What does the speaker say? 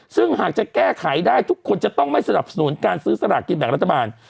ซึ่งหากจะแก้ไขได้ทุกคนจะต้องไม่สนับสนุนการซื้อสลากกินแบ่งรัฐบาล